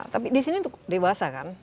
tapi di sini untuk dewasa kan